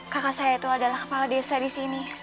kakak saya itu adalah kepala desa di sini